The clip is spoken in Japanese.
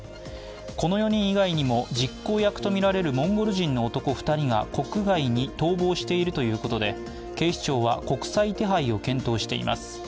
この４人以外にも実行役とみられるモンゴル人の男２人が国外に逃亡しているということで警視庁は国際手配を検討しています。